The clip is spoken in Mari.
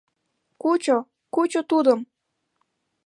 — Кучо, кучо тудым!..